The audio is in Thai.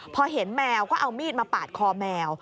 พอเห็นแมวก็เอามีดมาปาดคอแมว